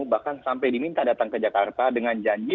bahkan sampai diminta datang ke jakarta dengan janji